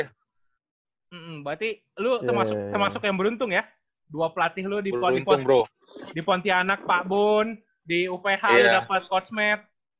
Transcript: hmm berarti lu termasuk yang beruntung ya dua pelatih lu di pontianak pak bun di uph lu dapet coach matt